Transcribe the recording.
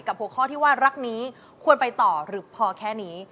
หัวข้อที่ว่ารักนี้ควรไปต่อหรือพอแค่นี้